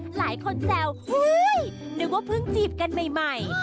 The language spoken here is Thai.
หลายคนแซวนึกว่าเพิ่งจีบกันใหม่